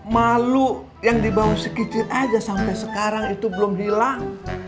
malu yang dibawa sedikit aja sampai sekarang itu belum hilang